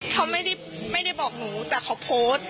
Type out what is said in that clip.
เขาไม่ได้บอกหนูแต่เขาโพสต์